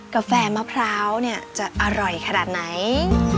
กาแฟมะพร้าวเนี่ยจะอร่อยขนาดไหน